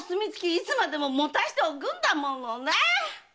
いつまでも持たせておくんだものね‼